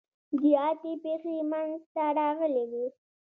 زیاتې پیښې منځته راغلي وي.